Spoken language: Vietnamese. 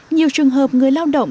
nhiều trường hợp người lao động